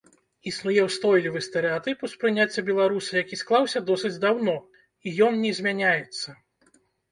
Існуе ўстойлівы стэрэатып успрыняцця беларуса, які склаўся досыць даўно, і ён не змяняецца.